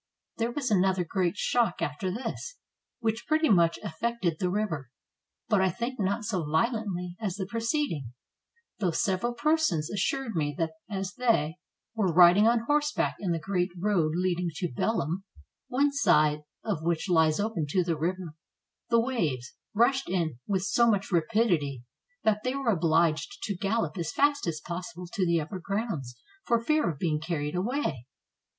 There was another great shock after this, which pretty much af fected the river, but I think not so violently as the pre ceding; though several persons assured me that as they were riding on horseback in the great road leading to Belem, one side of which lies open to the river, the waves 624 THE EARTHQUAKE AT LISBON rushed in with so much rapidity that they were obliged to gallop as fast as possible to the upper grounds, for fear of being carried away.